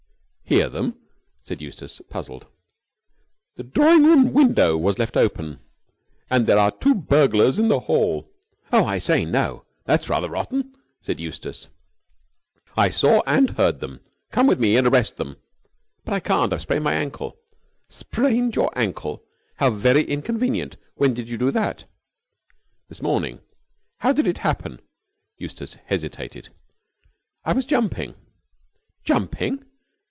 "Hear them?" said Eustace, puzzled. "The drawing room window was left open, and there are two burglars in the hall." "Oh, I say, no! That's rather rotten!" said Eustace. "I saw and heard them. Come with me and arrest them." "But I can't. I've sprained my ankle." "Sprained your ankle? How very inconvenient! When did you do that?" "This morning." "How did it happen?" Eustace hesitated. "I was jumping." "Jumping!